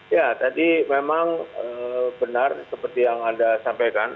ya tadi memang benar seperti yang anda sampaikan